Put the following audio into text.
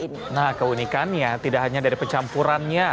nah keunikannya tidak hanya dari pencampurannya